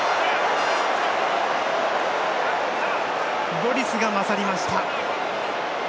ロリスが勝りました！